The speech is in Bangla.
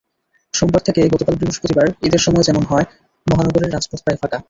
সোমবার থেকে গতকাল বৃহস্পতিবার, ঈদের সময় যেমন হয়—মহানগরের রাজপথ প্রায় ফাঁকা।